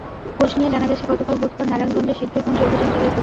খোঁজ নিয়ে জানা গেছে, গতকাল বুধবার নারায়ণগঞ্জের সিদ্ধিরগঞ্জে অভিযান চালায় পুলিশ।